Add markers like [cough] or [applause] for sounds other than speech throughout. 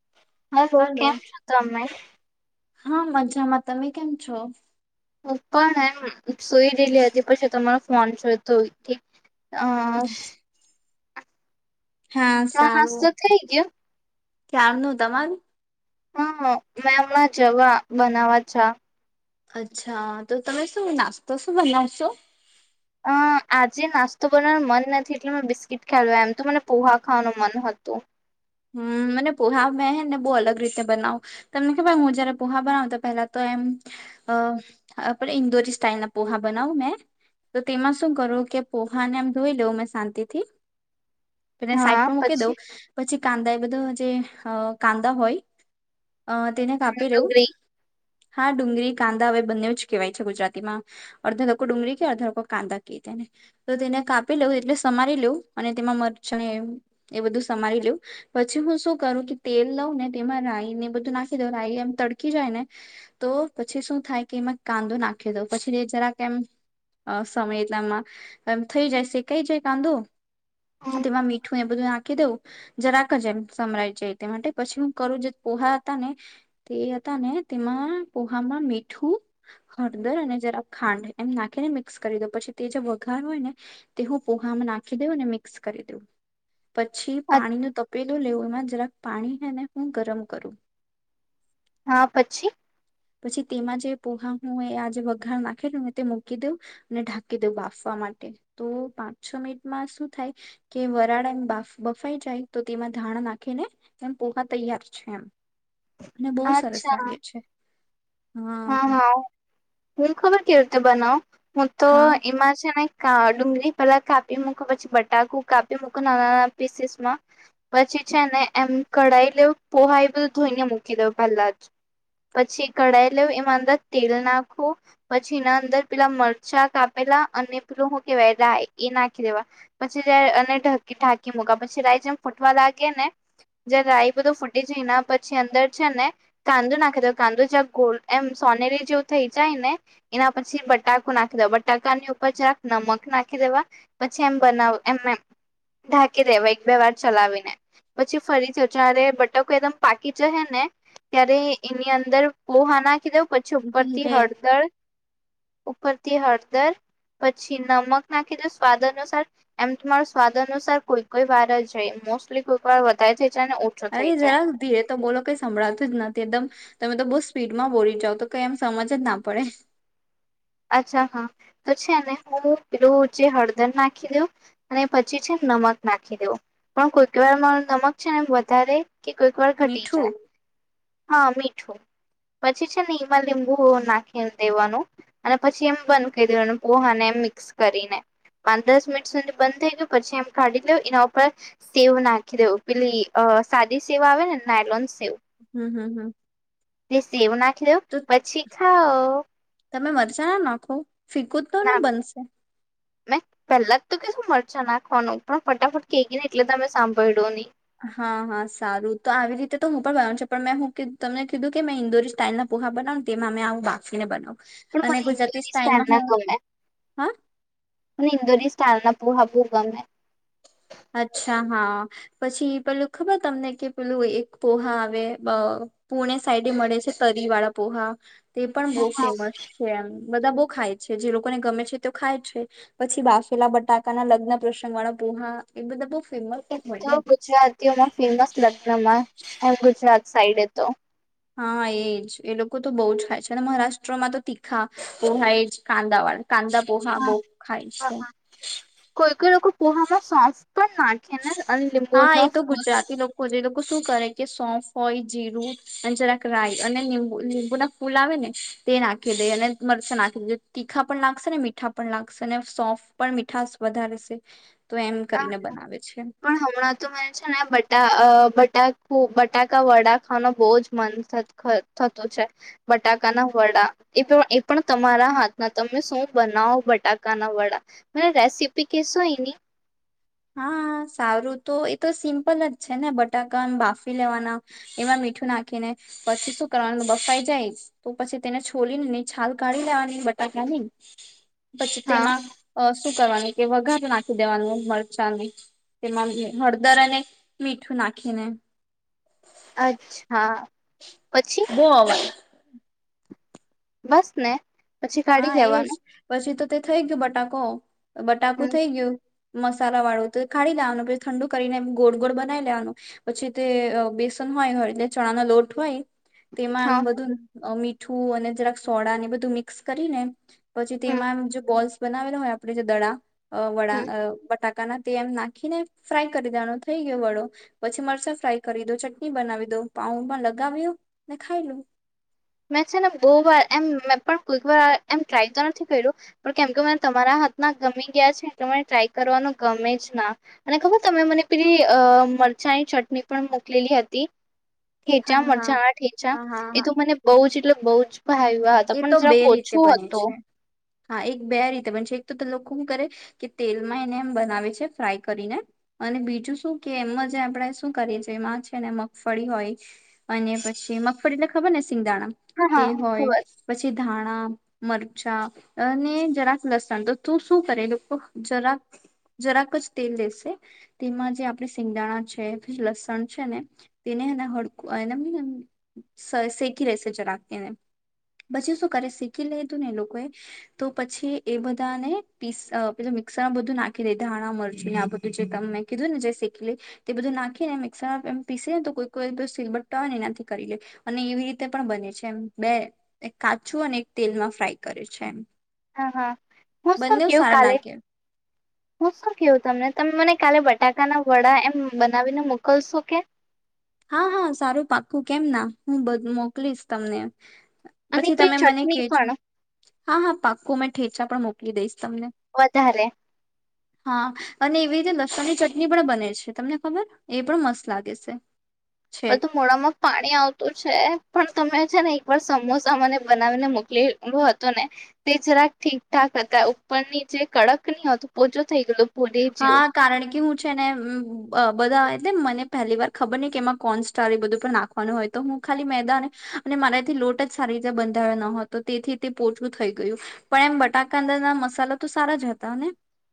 [inaudible] Hello, કેમ છો તમે? હા મજામાં. તમે કેમ છો? હું પણ એમ સોઈ રહેલી હતી પછી તમારો ફોન જોઈતો કે અહ હા ચા નાસ્તો થઈ ગયો? ક્યારનો. તમારું? હા. મેં હમણાં જવા બનાવવા છા. અચ્છા. તો તમે શું નાસ્તો શું બનાવશો? અહ આજે નાસ્તો બનાવવાનું મન નથી, એટલે મે બિસ્કીટ ખાઈ લઉં, એમ તો મને પોહા ખાવાનું મન હતું. હમ્મ. મને પોહા મેં હે ને બહુ અલગ રીતે બનાવું. તમને ખબર હું જયારે પોહા બનાવું તો પેલા તો એમ અહ પહેલા ઈન્દોરી સ્ટાઈલ ના પોહા બનાવું મેં, તો તેમાં શું કરું કે પોહાને એમ ધોઈ લઉં મેં શાંતિથી. પહેલા સાઈડ હા પર મૂકી પછી દઉં, પછી એ બધો જે કાંદા હોય અહ તેને કાપી લેવું. ડુંગળી હા ડુંગળી, કાંદા હવે બંનેવ જ કહેવાય છે ગુજરાતીમાં, અડધા લોકો ડુંગળી કયે, અડધા લોકો કાંદા ક્યે તેને, તો તેને કાપી લઉં એટલે સમારી લઉં અને તેમાં મરચા એમ એ બધું સમારી લવ. પછી હું શું કરું કે તેલ લઉં ને તેમાં રાઈ ને બધું નાખી દઉં, રાઈ એમ તડકી જાય ને તો પછી શું થાય કે એમાં કાંદો નાખી દઉં, પછી તે જરાક એમ સમય એટલામાં એમ થઈ જાય શેકાઈ જાય કાંદો હમ, તેમાં મીઠું એ બધું નાખ ખી દઉં. જરાક જ એમ સમરાઈ જાય તે માટે પછી હું કરું જે પોહા હતા ને, તે હતા ને તેમાં પોહામાં મીઠું હળદર અને જરાક ખાંડ એમ નાખીને મિક્સ કરી દઉં પછી તે જે વઘાર હોય ને, તે હું પોહામાં નાખી દઉં અને મિક્સ કરી દઉ, પછી પાણી ન તપેલૂ લેવ. માં જરાક પાણી હને હું ગરમ કરું. હા પછી? પછી તેમાં જે પોહા હું આ જે વઘાર નાખેલું ને તે મૂકી દઉં અને ઢાંકી દઉં, બાફવા માટે તો પાંચ છ મિનિટમાં શું થાય કે વરાળ એમ બા બફાઈ જાય, તો તેમાં ધાણ નાખીને એમ પોહા તૈયાર છે એમ. અનેને બહુ સરસ અચ્છા લાગે છે. હા હા, હું ખબર ક રતે બનાવ? હું તો હા એમાં છે નહી. ડુંગળી પહેલા કાપી મૂકો પછી બટાકુ કાપી મૂકો નાના નાના પીસીસમાં, પછી છેને એમ કઢાઈ લેવ પોહા એ બધું ધોઈને મૂકી દેવ પહેલા જ, પછી કઢાઈ એ એમાં અંદર તેલ નાખવું, પછી એના અંદર પેલા મરચાં કાપેલા અને પેલું હું કેહેવાય રાય એ નાખી દેવા, પછી જ ઢાંકી મુકા પછી રાય જેમ ફૂટવા લાગે ને, જ રાય બધું ફૂટી જાય એના પછી અંદર છે ને, કાંદો નાખી દે, કાંદો જ્યાં ગોલ્ એમ સોનેરી જેવું થઈ જાય ને, એના પછી બટાકુ નાખી દેવા બટાકાની ઉપર જક નમક નાખી દેવા, પછી એમ બનાવ એમ ઢાંકી દેવા એક બે વાર ચલાવીને, પછી ફરીથી જયારે બટાકો એકદમ પાકી જહે ને, ત્યારે એની અંદર પોહા નાખ ખી દઉં પછી ઉપરથી ધીરે હળદર ઉપરથી હળદર, પછી નમક નાખી દો સ્વાદ અનુસાર એમ તમારો સ્વાદ અનુસાર, કોઈ કોઈ વાર જ જાય મોસ્ટલી કોઈ વાર વધારે થઈ જાય ને ઓછો અરે થઈ જાય જરાક ધીરે તો બોલો કઈ સંભળાતું જ નથી એકદમ તમે તો બહુ સ્પીડમાં બોલી જાાવ તો કઈ એમ સમજ જ ના પડે. અચ્છા હા તો છે ને હું પેલું ચે હળદર નાખી દઉ, અને પછી છે નમક નાખી દઉ, પણ કોઈક વાર માર નમક છે ને વધારે કે કોઈક વાર ઘટી મીઠું જાય. હા મીઠું પછી છે ને એમાં લીંબુ નાખી દેવાનું અને પછી એમ બંધ કરી દેવાનું, પોહાને એ મિક્સ કરીને પાંચ દસ મિનિટ સુધી બંધ થઈ ગયું પછી એમ કાઢી લ એનાર પણ સવું નાખી દેવું પેલી અ સાદી સેવા આવે ને નાયલોન સેવા. હમ હમ હમ. દસી એવું નાખી દો, તો પછી ખાઓ. તમે મરચા ના નાખો? ફિકુ તો ને બનશે? પેલા જ તો કેશું મરચા નાખવાનું પણ ફટાફટ કેકી ને એટલે તમે સાંભળો નહી. હા હા સારું તો આવી રીતે તો હું પણ બનાવ છ પણ મેં હું તમને કીધું કે મેં ઇન્દોરી સ્ટાઈલ ના પ પોહા બનાવ તેમાં મેમે આવું બાકીને બનાવુ. પણ મને ઇન્દોરી સ્ટાઇલ ના ગમેલા, હા મને ઇન્દોરની સ્ટાઈલના [unintelligible] હાપું ગમે અચ્છા, હા, પછી પેલું ખબર તમને કે પેલું એક પોહા આવે પુણે સાઈડ મળે છે તરી વાળા પોહા તે પણ બહુ હા ફેમસ છે એમ બધા બહુ ખાય છે જે લોકોને ગમે છે તો ખાય છે, પછી બાફેલા બટાકા ના લગ્ન પ્રસંગ વાળા પોહા એ બધા ફેમસ જ હોય તો, ને ગુજરાતીઓમાં ફેમસ લગ્નમાં [unintelligible] સાઈડે તો હા, એજ એ લોકો તો બહુ જ ખાય છે, અને મહારાષ્ટ્રમાં તો તીખા પોહા એજ કાંદાવાળ કાંદા પોહા હા બહુ ખાય છે [unintelligible] પોહામા શ્વાસ પણ નાખીને અંદર હા એ તો ગુજરાતી [unintelligible] લોકો જે લોકો શું કરે કે સોફ હોય જીરું અને જરાક રાય અનેબુ લીંબુ ના ફૂલ આવે ને તે નાખી દે અને મરચુ નાખી દે તીખા પણ લાગશે ને મીઠા પણ લાગશે અને સોફ પણ મીઠા વધારે છે તો એમ કરીને બનાવે પણ હમણાં તો મને છે ને બટા અ બટા બટાકા વડા ખાવાનો બહુજ મન થતું છે, બટાકાના વડા એતો એ પણ તમારા હાથના તમે શું બનાવો બટાકાના વડા મને રેસીપી કેશો એની હા, સારું તો એતો સિમ્પલ જ છે ને બટાકા બાફી લેવાના, એમાં મીઠું નાખી ને પછી શું કરવાનું બફાઈ જાય તો પછી તેને છોલી ને છાલ કાઢી લેવાની બટાકાની પછી હા તેમાં કરવાની કે વઘાર નાખી દેવાનું મળ ચાલે તેમાં હળદર અને મીઠું નાખીને. અચ્છા. પછી બો અવાજ. બસ ને. પછી કાઢી હા એજ લેવાનું પછી તો તે થઈ ગયું બટાકો. બટાકુ હમ થઇ ગયું. મસાલા વાળું તો કાઢી લેવાનું પછ ઠંડુ કરીને ગોળ ગોળ બનાવી લેવાનું, પછી તે બેસન હોય હોય એટલે ચણા નો લોટ હોય. તેમાં હા એમ બધું મી છું અને જરાક સોડા ને બધું મિક્સ કરીને, પછી હમ તેમાં જે બોલ્સ બનાવેલો હોય આપણે જે દડા અ વડા હમ અ બટાકા. કા ના તેમ નાખીને ફ્રાય કરી દેવાનો થઈ ગયો વડો, પછી મરચા ફ્રાય કરી દો, ચટણી બનાવી દો પાઉ પણ લગાવ્યું ને ખાઈ લું. મેં છે ને બહ વાર એમ મે પણ કોઈક વાર એમ ટ્રાય તો નથી કર્યું. પણ કેમ કે તમારા હાથમાં ગમી ગયા છે એ મને ટ્રાય કરવાનું ગમે જ ના અને ખબર તમે મને પેલી મરચાંની ચટણી પણ મોકલેલી હતી. હા ઠેચા હા મરચા, આ ઠેચા હા હા એ હા તો મને બ એટલે બઉુ જ. ભાઈ વાત એ તો પણ જરાક બે રીતે ઓછો બને હતો. છે હા, એક બે રીતે બને છે, એક તો લોકો શું કરે કે તેલમાં એને એમ બનાવે છે ફ્રાય કરીને અને બીજું શું કે એમમાં જે આપણે શું કરીએ છેએ એમાં છે, ને મગફળી હોય અને પછી મગફળી એટલે ખબર ને સિંગ દાણા, હા તે હા હોય ખબર પછી ધાણા, મરચાં અને જરાક લસણ તો તું શું કરે લોકો જરાક જરાક જ તેલ લેશે તેમાં જે આપણે સિંગદાણા છે, લસણ છે, ને તેને હડકું એ શેકી રહેેશે જરાક તેને પછી શું કરે શીખી લેધું ને એ લોકોએ, તો પછી એ બધાને પી પ મિક્સરમાં બધું નાખી દે ધાણા, મરચીને આ બધું જે ક મેં કીધું ને જે શેકીએ લ તે બધું નાખીને મિક્સરમાં એ પીસે ને તો કોઈ કોઈ સીલબર્ટ હોય ને એનાથી કરી લે અને એવી રીતે પણ બને છે, એમ બે એક કાચું અને એક તેલમાં ફ્રાય કરે છે એમ હા, હા, હું શું બંને કવ સારા કાલે લાગે હું, શું કેવું તમને તમે મને કાલે બટાકાના વડા એમ બનાવીને મોકલશો કે હા, હા, સારું પાકું કેમ ના હું બધું મોકલીશ તમને અને પછી પેલી તમે મને ચટણી કેજો પણ હા, હા, પાક્કુ મેં ઠે ચા પણ મોકલી દઈશ તમને વધારે હા, અને એવી રીતે લસણ ની ચટણી પણ બને છે, તમને ખબર એ પણ મસ્ત લાગે છે છે બધું મોડામાં પાણી આવતું છે, પણ તમે છે ને એક વાર સમોસા મને બનાવીને મોકલીલો હતો ને તે જરાક ઠીક ઠાક હતા ઉપરની જે કડક ની હતું પોચું થઈ ગયું હા, કારણ કે હું છે ને બધા મને પહેલી વાર ખબર ની કે એમાં કોન સસ્ટાર એ બધું પણ નાખવાનું હોય તો હું ખાલી મેદાને અને મારાથી લોટ જ સારી રીતે બંધાયો ન હો તો તેથી તે પોચું થઈ ગયું પણ એમ બટાકાદા ના મસલા તો સારા જ હતા ને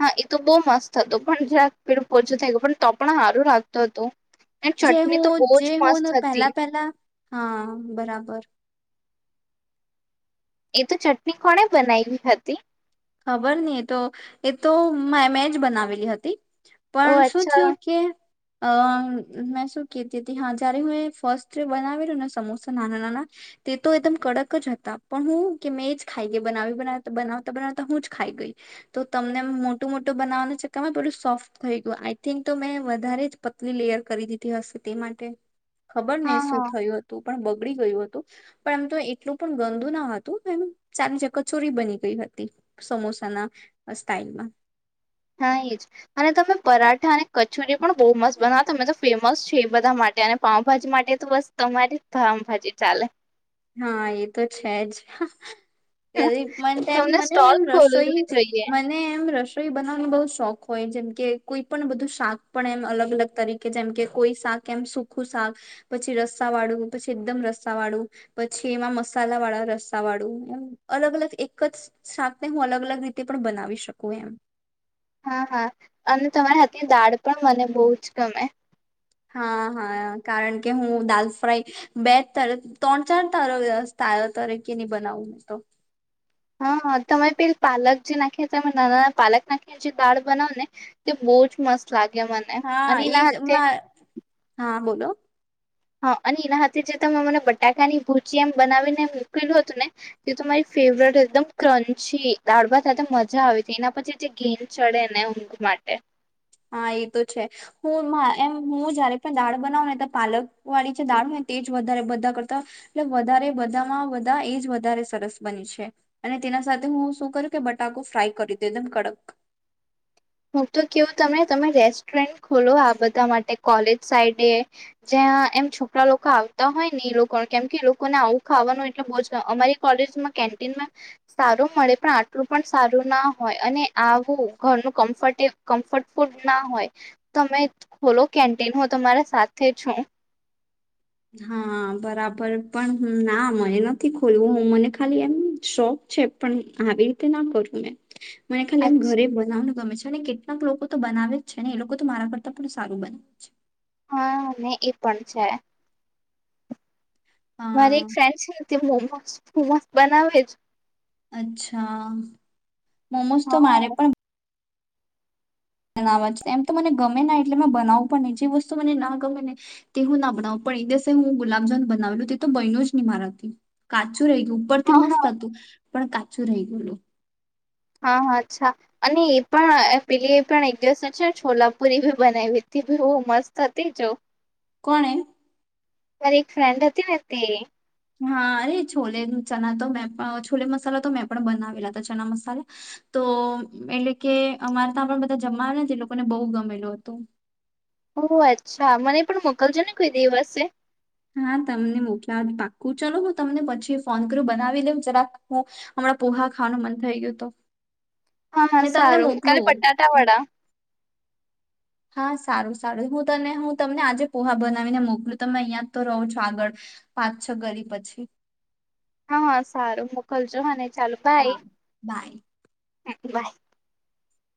હા, એ તો બહુ મસ્ત હતુ, પણ જરાક પેડું પોચું થઈ ગયું પણ તો પણ હારું લાગતું હતું અને જે ચટણી તો હું બહુ જે જ હું મસ્ત ને હતી પહેલા પહેલા હા બરાબર. એ તો ચટણી કોણે બનાવીવી હતી. ખબર નહી એ તો એ તો મે જ બનાવેલી હતી. ઓ પણ શું અચ્છા થયું કે અ મેં શું કતી હતી હા જયારે હું ફસ્ટ બનાવેલું ને સમોસા નાના નાના તે તો એકદમ કડક જ હતા પણ હું કે મેં જ ખાઈ ગ બનાવી બતા બનાવતા બનાવતા તો હું જ ખાઈ ગઈ તો તમને મોટું મોટું બનાવાના ચક્કરમાં થોડું સોફ્ટ થઈ ગયું આઈ થિંક તો મેં વધારે જ પતલી લેયર કરી દીધી હશે તે માટે. ખબર નહી એ હા શું હા થયું હતું. પણ બગડી ગયું હતું પણ એમ તો એટલું પણ ગંદુ ના હતું એમ ચારી જ કચોરી બની ગઈ હતી. સમોસાના સ્ટાઈલમાં. હા એ જ અને તમે પરાઠા અને કચોરી પણ બહુ મસ્ત બનાવ તમે તો ફેમસ છે એ બધા માટે અને પાઉભાજી માટે તો બસ તમારી પાાવભાજી ચાલે. હા એ તો છે જ. એ મને એમ તમને મને સ્ટોલ એમ રસોઈ ખોલવી જોઈએ મને એમ રસોઈ બનાવાની બહ શોખ હોય જેમકે કોઈ પણ બધું શાક પણ એમ અલગ અલગ તરીકે જેમ કે કોઈ શાક એમ સુખું શાક પછી રસ્સા વાળું પછી એકદમ રસ્સા વાળું. પછી એમાં મસાલા વાળા રસ્સા વાળું એમ અલગ અલગ એક જ સાથે હું અલગ અલગ રીતે પણ બનાવી શકું એમ. હા હા અને તમારા હાની દાળ પણ મને બહુ જ ગમે હા હા કારણ કે હું દાલ ફ્રાય બે તર ત્રણ ચાર તર તારો તરકે નહી બનાવું મેં તો હા તમે પે પાલક જે નાખી તમે નાના ના પાલક નાખી જે દાળ બનાવ ને તે બહુજ મસ્ત લાગે મને હા અને એ એના જ હાથે હા બોલો હા અને એના હથે જે તમે મને બટાકાની ભુજી એમ બનાવીને મૂકેલું હતું ને એ તમારી ફેવરેટ એકદમ ક્રંચી દાળભાત સાથે મજા આવી હતી એના પછી જે ઘેન ચડે ને ઊંઘ માટે હા એ તો છે હું એમ હું જયારે પણ દાળ બનાવ ને તો પાલક વાળી છે દાળ ને તે જ વધારે બધા કરતા એટલે વધારે બધામાં બધા એ જ વધારે સરસ બની છે અને તેના સાથે હું શું કરું કે બટાકો ફ્રાય કરી દ એકદમ કડક હું તો કેવું તને તમે રેસ્ટોરન્ટ ખોલો આ બધા માટે કોલેજ સાઈડે જ્યાં એમ છોકરા લોકો આવતા હોય ને એ લોકો કેમ કે એ લોકોને આવું ખાવાનું એટલે બજ અમારી કોલેજમાં કેન્ટીન માં સારું મળે પણ આટલું પણ સારું ના હોય અને આવું ઘરનું કમફટે કમ્ફર્ટફુલ ના હોય તમે ખોલો કેન્ટીન હ તમારા સાથે છું હા બરાબર પણ ના મને નથી ખોલવું હું મને ખાલી એમ શોખ છે પણ આવી રીતે ના કરું મેં મને ખાલી આમ હા ઘરે બનાવનુંને ગમે છ અનેકેટ કેટલાક લોકો તો બનાવે જ છે ને એ લોકો તો મારા કરતા પણ સારું બનાવે છે હા એ પણ છે મારી હા એક ફ્રેન્ડ છે હતી બમ સ્ત મસ્ત બનાવેજ અચ્છા મોમોઝ તો હા મારે પણ બનાવા એમ તો મને ગમે ના એટલે બનાવું પણ નહી જે વસ્તુ મને ના ગમે ને તે હું ના બનાવું પણ એ દિવસે હું ગુલાબજામુન બનાવેલું તે તો બનુ જ નહી મારાથી કાચું ર ગું ઉપર થી હા મસ્ત હતું પણ કાચું રહી ગલું હા હા અચ્છા અને એ પણ પેલી એ પણ એક દિવસ છે ને છોલાપુરી બી બનાવી બી બ મસ્ત હતી જ કોણે મારી એક ફ્રેન્ડ હતી ને તે હા અરે છોલે ચણા તો મેં છોલે મસાલા તો મેં પણ બનાવેલા હતા ચણા મસાલા તો એટલે કે અમારે ત્યા પણ બધા જમવા જે લોકોને બહુ ગમેલું હતું ઓ અચ્છા મને પણ મોકલજો ને કોઈ દિવસે હા તમને મોક્યાદ પાકું ચલો હું તમને પછી ફોન કરું બનાવી લઉ જરાક હું હમણાં પોહા ખાવાનું મન થઈ ગયું તો હા હા મેં તમને સારું કાલે મોકલું બટાટા વાડા હા સારું હું તને હું તમને આજે પોહા બનાવીને મોકલું તમે અહિયાં જ તો રહો છો આગળ પાંચ છ ઘરી પછી હા હા સારું મોકલજો હ હા બાય હ બાય